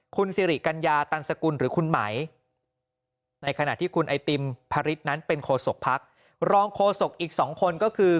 คุณสิริกัญญาตันสกุลหรือคุณไหมในขณะที่คุณไอติมพระฤทธิ์นั้นเป็นโคศกพักรองโฆษกอีก๒คนก็คือ